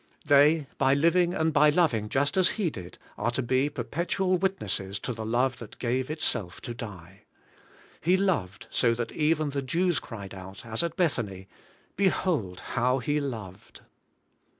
They, iy living and iy loving just as He did^ are to be perpetual witnesses to the love that gave itself to die. He loved so that even the Jews cried out, as at Bethany, * Behold how He loved!'